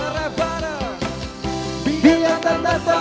rapi ruang dia